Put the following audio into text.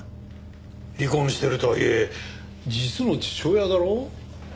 離婚しているとはいえ実の父親だろ？